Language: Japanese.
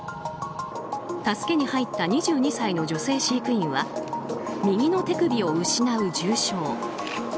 助けに入った２２歳の女性飼育員は右の手首を失う重傷。